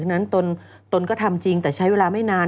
นั้นตนก็ทำจริงแต่ใช้เวลาไม่นาน